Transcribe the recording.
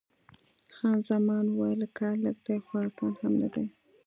خان زمان وویل: کار لږ دی، خو اسان هم نه دی.